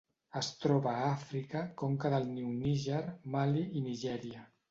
Es troba a Àfrica: conca del riu Níger, Mali i Nigèria.